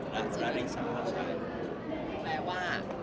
ราริสาใช่แปลว่า